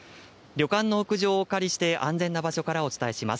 旅館の屋上をお借りして、安全な場所からお伝えします。